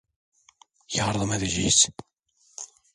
Yardım edeceğiz.